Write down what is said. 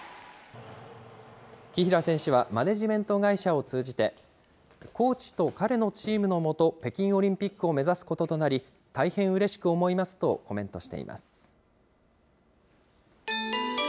紀平選手はマネジメント会社を通じて、コーチと彼のチームの下、北京オリンピックを目指すこととなり、大変うれしく思いますとコメントしています。